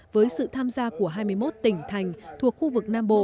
với sự tham gia của hai mươi một tỉnh thành thuộc khu vực nam bộ